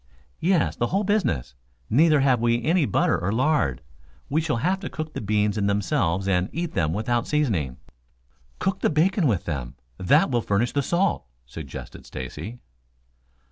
"Yes. The whole business. Neither have we any butter or lard. We shall have to cook the beans in themselves and eat them without seasoning." "Cook the bacon with them. That will furnish the salt," suggested Stacy.